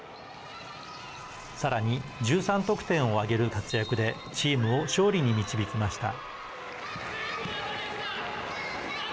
さらに１３得点を挙げる活躍でチームを勝利に導きました。